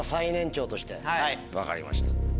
分かりました。